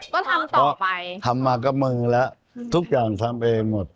ก็ทำต่อไปทำมาก็มึงแล้วทุกอย่างทำเองหมด